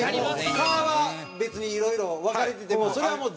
科は別にいろいろ分かれててもそれはもう。